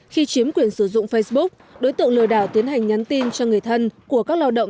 khi chiếm quyền sử dụng facebook đối tượng lừa đảo tiến hành nhắn tin cho người thân của các lao động